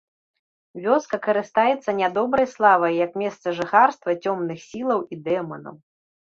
Вёска карыстаецца нядобрай славай як месца жыхарства цёмных сілаў і дэманаў.